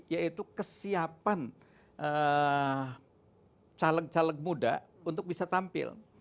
yaitu kesiapan caleg caleg muda untuk bisa tampil